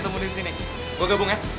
tunggu aja sih